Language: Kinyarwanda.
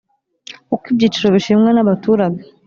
Uko ibyiciro bishimwa n abaturage